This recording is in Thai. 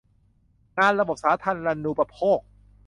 งานระบบสาธารณูปโภค